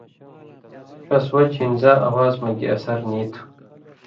ݜس وجہۡ ہِن زاں اواز مہ گی اثر نی تُھو۔